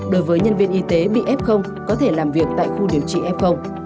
đối với nhân viên y tế bị f có thể làm việc tại khu điều trị f